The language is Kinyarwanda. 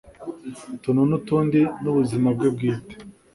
Utuntu n'Utundi n Ubuzima bwe bwite